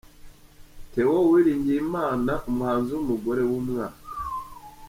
Theo Uwiringiyimana Umuhanzi w’umugore w’umwaka a.